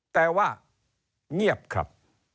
แต่ว่าเงียบครับ